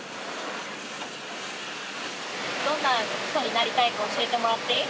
どんな人になりたいか教えてもらっていい？